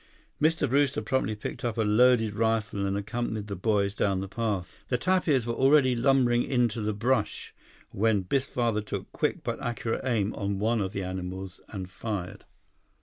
Mr. Brewster promptly picked up a loaded rifle and accompanied the boys down the path. The tapirs were already lumbering into the brush when Biff's father took quick but accurate aim on one of the animals and fired.